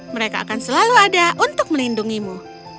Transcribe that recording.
mereka akan selalu ada untuk melindungimu